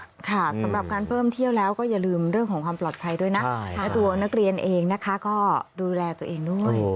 สำหรับการเพิ่มเที่ยวแล้วก็อย่าลืมเรื่องของความปลอดภัยด้วยนะและตัวนักเรียนเองนะคะก็ดูแลตัวเองด้วย